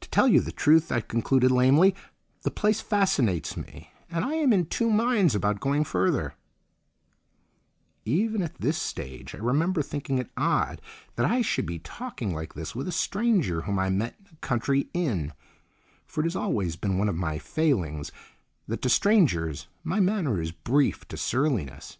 "To tell you the truth," I concluded lamely, "the place fascinates me and I am in two minds about going further—" Even at this stage I remember thinking it odd that I should be talking like this with a stranger whom I met in a country inn, for it has always been one of my failings that to strangers my manner is brief to surliness.